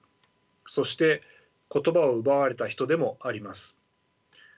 そして言葉を奪われた人でもあります。